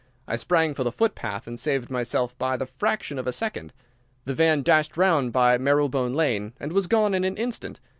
I sprang for the foot path and saved myself by the fraction of a second. The van dashed round by Marylebone Lane and was gone in an instant.